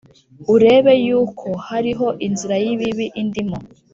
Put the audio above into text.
Urebe yuko hariho inzira y ibibi indimo